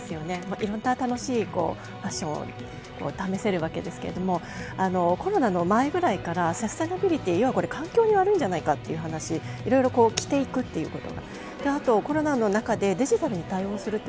いろんな楽しいファッションを試せるわけですけれどもコロナの前くらいからサステナビリティ、環境に悪いんじゃないかというお話いろいろ着ていくということ。